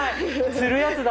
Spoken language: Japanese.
つるやつだ。